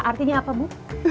artinya apa bu